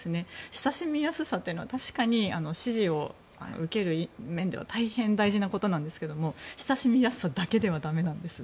親しみやすさは確かに支持を受ける面では大変、大事なことなんですけど親しみやすさだけではだめなんです。